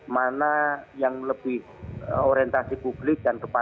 mana yang lebih orientasi